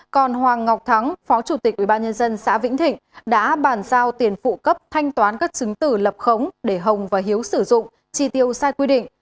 còn hoàng ngọc thắng phó chủ tịch ubnd xã vĩnh thịnh đã bàn giao tiền phụ cấp thanh toán các chứng tử lập khống để hồng và hiếu sử dụng chi tiêu sai quy định